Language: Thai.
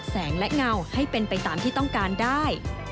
แสงและเงาให้เป็นไปตามที่ต้องการได้